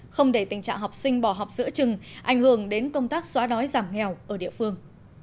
không để tình trạng học sinh bỏ học giữa trường ảnh hưởng đến công tác xóa đói giảm nghèo ở địa phương